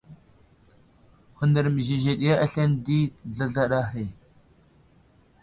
Hundar məzezeɗiya aslane di, zlazlaɗa ahe.